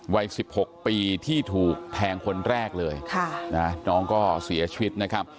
วัย๑๖ปีที่ถูกแทงคนแรกเลยน้องก็เสียชีวิตนะครับ